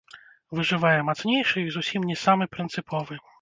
Выжывае мацнейшы і зусім не самы прынцыповы.